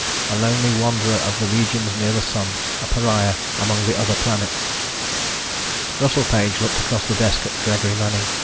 a lonely wanderer of the regions near the Sun, a pariah among the other planets. Russell Page looked across the desk at Gregory Manning.